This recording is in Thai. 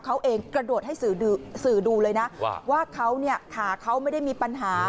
เขาเองกระโดดให้สื่อดูเลยนะว่าเขาเนี่ยขาเขาไม่ได้มีปัญหา